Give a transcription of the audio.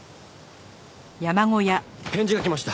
返事が来ました。